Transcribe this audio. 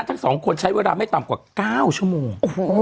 ทั้งสองคนใช้เวลาไม่ต่ำกว่า๙ชั่วโมง